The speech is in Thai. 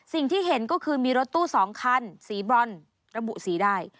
สิ่งที่เห็นก็คือมีรถตู้๒คันสีบรอนระบุสีได้